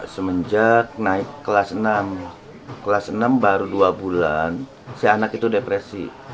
semenjak naik kelas enam kelas enam baru dua bulan si anak itu depresi